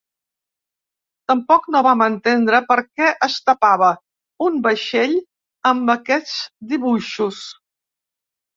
Tampoc no vam entendre per què es tapava, un vaixell amb aquests dibuixos.